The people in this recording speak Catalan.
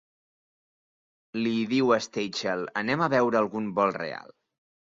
Li diu a Stachel, Anem a veure algun vol real.